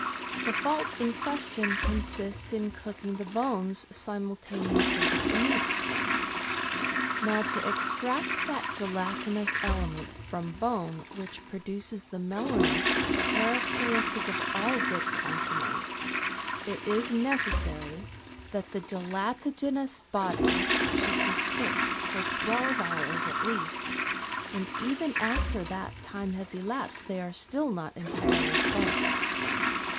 The fault in question consists in cooking the bones simultaneously with the meat. Now to extract that gelatinous element from bone which produces the mellowness character istic of all good consommes, it is necessary that the gelatigenous bodies should be cooked for twelve hours at least, and even after that time has elapsed they are still not entirely spent.